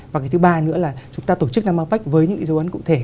và cái thứ ba nữa là chúng ta tổ chức năm apec với những cái dấu ấn cụ thể